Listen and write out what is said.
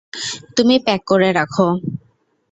তুমি প্যাক করে রাখো।